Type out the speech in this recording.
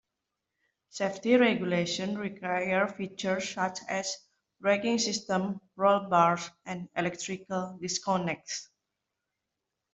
Safety regulations require features such as braking systems, roll bars, and electrical disconnects.